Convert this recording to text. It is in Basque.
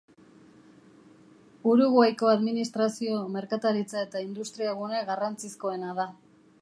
Uruguaiko administrazio, merkataritza eta industriagune garrantzizkoena da.